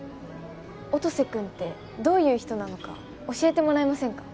音瀬君ってどういう人なのか教えてもらえませんか？